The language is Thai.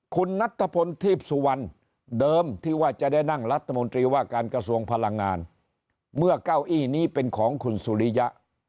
คุณนัทพลทีพสุวรรณเดิมที่ว่าจะได้นั่งรัฐมนตรีว่าการกระทรวงพลังงานเมื่อเก้าอี้นี้เป็นของคุณสุริยะ